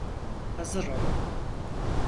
Hazır olun.